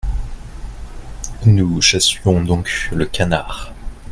Nous chassions donc le canard…